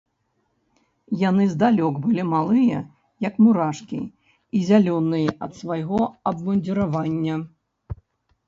Яны здалёк былі малыя, як мурашкі, і зялёныя ад свайго абмундзіравання.